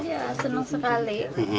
iya senang sekali